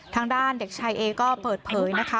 ทางด้านเด็กชายเอก็เปิดเผยนะคะ